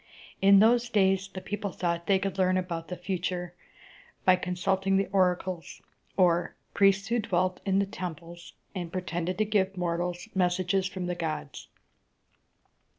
In those days the people thought they could learn about the future by consulting the oracles, or priests who dwelt in the temples, and pretended to give mortals messages from the gods.